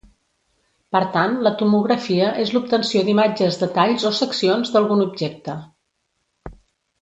Per tant la tomografia és l'obtenció d'imatges de talls o seccions d'algun objecte.